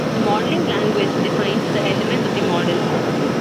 The modeling language defines the elements of the model.